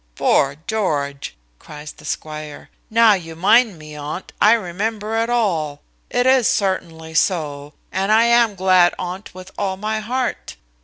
"'Fore George!" cries the squire, "now you mind me on't, I remember it all. It is certainly so, and I am glad on't with all my heart.